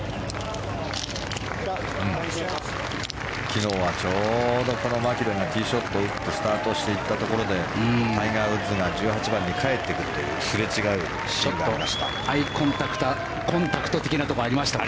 昨日はちょうどこのマキロイがティーショットを打ってスタートしていったところでタイガー・ウッズが１８番に帰ってくるというすれ違うシーンがありました。